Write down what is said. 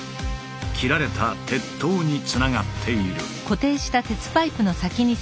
切られた鉄塔につながっている。